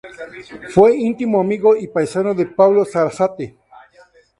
Fue íntimo amigo y paisano de Pablo Sarasate.